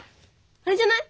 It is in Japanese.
あれじゃない？